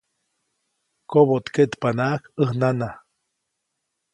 Koboʼtkeʼtpanaʼajk ʼäj nana.